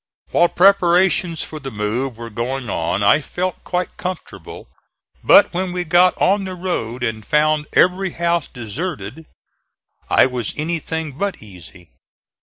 While preparations for the move were going on I felt quite comfortable; but when we got on the road and found every house deserted I was anything but easy.